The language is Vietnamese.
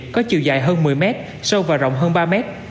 có chiều dài hơn một mươi mét sâu và rộng hơn ba mét